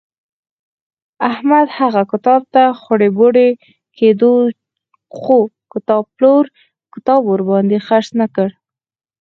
احمد هغه کتاب ته خوړی بوړی کېدو خو کتابپلور کتاب ورباندې خرڅ نه کړ.